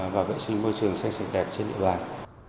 và vệ sinh môi trường xanh sạch đẹp trên địa bàn